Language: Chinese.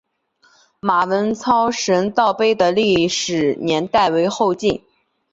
马文操神道碑的历史年代为后晋。